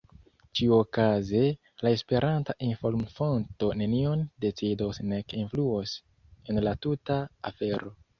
Ĉiuokaze, la Esperanta inform-fonto nenion decidos nek influos en la tuta afero.